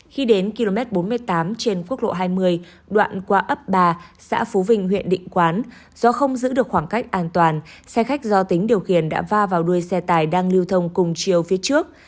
khi đến km bốn mươi tám trên quốc lộ hai mươi đoạn qua ấp ba xã phú vinh huyện định quán do không giữ được khoảng cách an toàn xe khách do tính điều khiển đã va vào đuôi xe tài đang lưu thông cùng chiều phía trước